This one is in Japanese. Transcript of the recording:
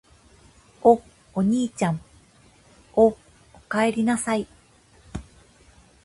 お、おにいちゃん・・・お、おかえりなさい・・・